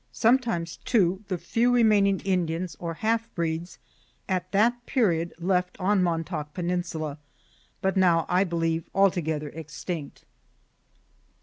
Sometimes, too, the few remaining Indians, or half breeds, at that period left on Montauk peninsula, but now I believe altogether extinct.